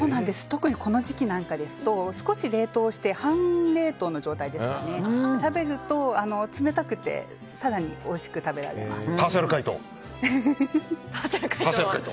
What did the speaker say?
特にこの時期なんかですと少し冷凍して半冷凍の状態ですかね食べると、冷たくて更においしく食べられます。